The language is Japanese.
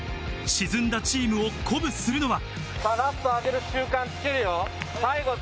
沈んだチームを鼓舞するのは。